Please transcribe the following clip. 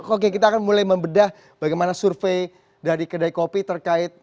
oke kita akan mulai membedah bagaimana survei dari kedai kopi terkait